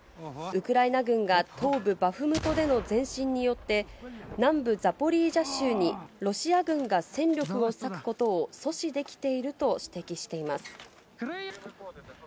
ウクライナ軍が東部バフムトでの前進によって南部ザポリージャ州にロシア軍が戦力を割くことを阻止できていると指摘しています。